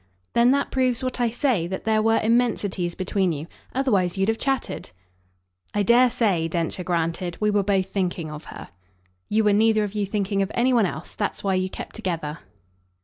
"Then that proves what I say that there were immensities between you. Otherwise you'd have chattered." "I dare say," Densher granted, "we were both thinking of her." "You were neither of you thinking of any one else. That's why you kept together."